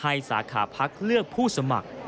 สาขาพักเลือกผู้สมัคร